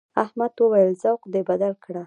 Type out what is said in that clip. احمد وويل: ذوق دې بدل کړه.